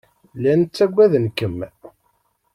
Llan ttagaden-kem.